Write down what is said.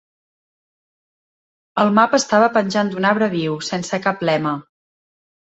El mapa estava penjat d'un arbre viu, sense cap lema.